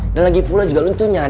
dan lagi pula juga lo tuh nyari pacar